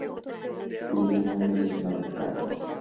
Tribunal de los mariscales.